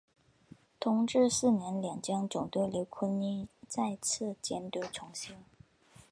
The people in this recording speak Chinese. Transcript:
同治四年两江总督刘坤一再次监督重修。